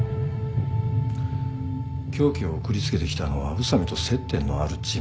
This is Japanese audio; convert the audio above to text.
凶器を送りつけてきたのは宇佐美と接点のある人物だ。